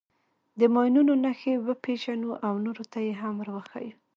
د ماینونو نښې وپېژنو او نورو ته یې هم ور وښیو.